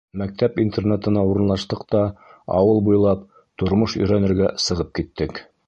Мәктәп интернатына урынлаштыҡ та ауыл буйлап «тормош өйрәнергә» сығып киттек.